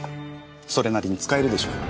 それなりに使えるでしょ？